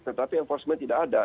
tetapi enforcement tidak ada